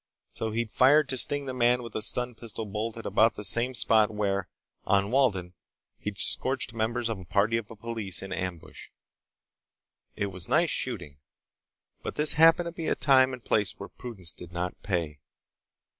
So he'd fired to sting the man with a stun pistol bolt at about the same spot where, on Walden, he'd scorched members of a party of police in ambush. It was nice shooting. But this happened to be a time and place where prudence did not pay.